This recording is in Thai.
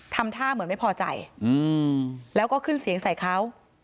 ทำท่าเหมือนไม่พอใจแล้วก็ขึ้นเสียงใส่เขา